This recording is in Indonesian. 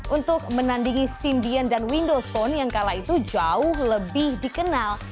untuk menandingi symbian dan windows phone yang kala itu jauh lebih dikenal